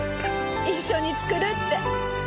一緒に作るって。